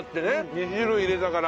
２種類入れたから。